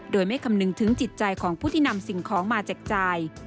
โดยไม่คำนึงถึงจิตใจของผู้ที่นำสิ่งของมาแจกจ่าย